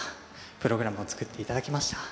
プログラムを作って頂きました。